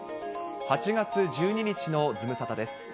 ８月１２日のズムサタです。